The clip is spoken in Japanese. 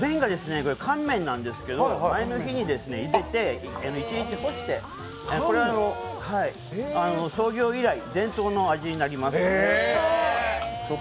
乾麺なんですけど前の日に入れて一日干して、これは創業以来伝統の味になります。